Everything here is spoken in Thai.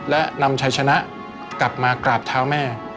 และนำชัยชนะกลับมากราบเท้าแม่